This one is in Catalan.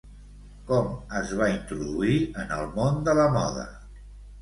Com es va introduir en el món de la moda?